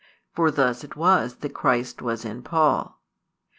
For thus it was that Christ was in Paul.